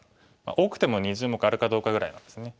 多くても２０目あるかどうかぐらいなんですね。